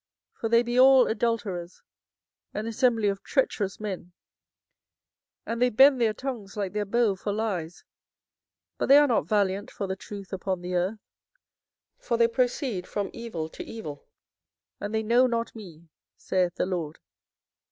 for they be all adulterers, an assembly of treacherous men. 24:009:003 And they bend their tongues like their bow for lies: but they are not valiant for the truth upon the earth; for they proceed from evil to evil, and they know not me, saith the LORD.